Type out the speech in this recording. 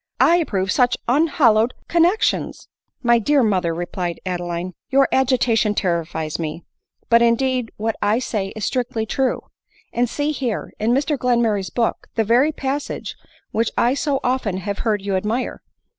1 approve such unhallowed connexions !"" My dearest mother," replied Adeline, u your agita tion terrifies me — but indeed what I say is strictly true ; and see here, in Mr Glenmurray's book, the very pas sage which I so often have heard you admire."